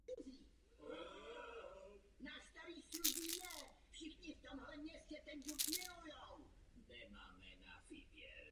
Narodil se v Tbilisi do právnické rodiny.